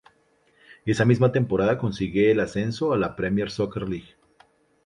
Esa misma temporada consigue el ascenso a la Premier Soccer League.